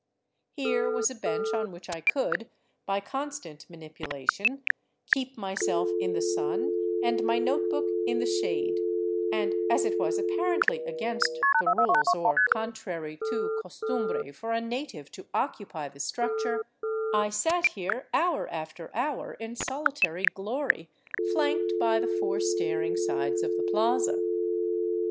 Here was a bench on which I could, by constant manipulation, keep myself in the sun and my note book in the shade; and as it was apparently against the rules or contrary to costumbre for a native to occupy the struc* 359 VAGABONDING DOWN THE ANDES ture, I sat here hour after hour in solitary glory, flanked by the four staring sides of the plaza.